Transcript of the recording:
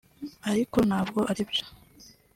ariko ntabwo ari byo